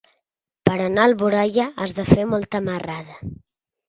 Per anar a Alboraia has de fer molta marrada.